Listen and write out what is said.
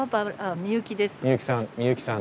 美幸さん。